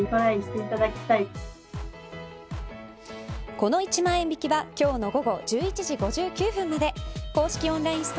この１万円引きは今日の午後１１時５９分まで公式